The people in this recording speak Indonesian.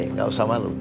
nggak usah malu